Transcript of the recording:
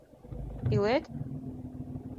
— Илет?